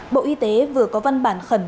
bộ y tế vừa có văn bản khẩn